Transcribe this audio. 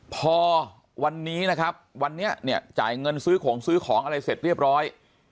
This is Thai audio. พอวันนี้นะครับวันนี้เนี่ยจ่ายเงินซื้อของซื้อของอะไรเสร็จเรียบร้อย